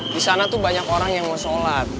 di sana tuh banyak orang yang mau sholat